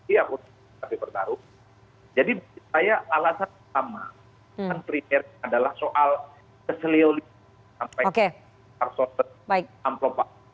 dan primirnya adalah soal keselioli sampai arsul teramplopak